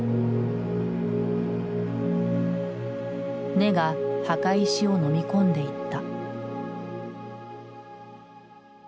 根が墓石をのみ込んでいった。